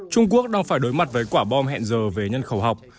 trung quốc đang phải đối mặt với quả bom hẹn giờ về nhân khẩu học